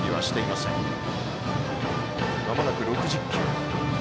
まもなく６０球。